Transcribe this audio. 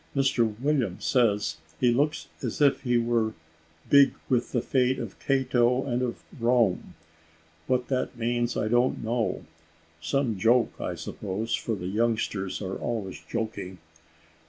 Mr William says, he looks as if he were `big with the fate of Cato and of Rome:' what that means I don't know some joke, I suppose, for the youngsters are always joking.